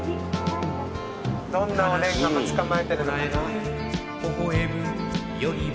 どんなおでんが待ち構えてるのかな。